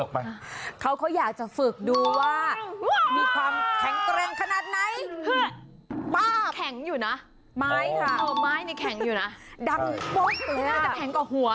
ปัจจุดทิเซ